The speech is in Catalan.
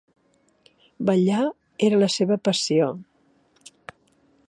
Ballar era la seva passió.